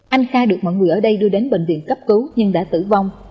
anh kha được mọi người ở đây đưa đến bệnh viện cấp cứu nhưng đã tử vong